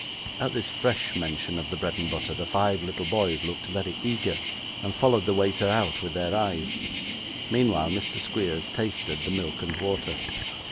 At this fresh mention of the bread and butter, the five little boys looked very eager, and followed the waiter out, with their eyes; meanwhile Mr. Squeers tasted the milk and water.